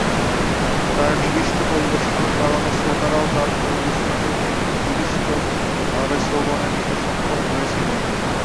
তাঁর নিবিষ্ট পরিবেশনার কারণে শ্রোতারাও তাঁর পরিবেশনাকে নিবিষ্টভাবে শ্রবণে নিতে সক্ষম হয়েছিলেন।